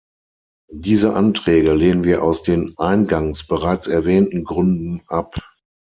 Diese Anträge lehnen wir aus den eingangs bereits erwähnten Gründen ab.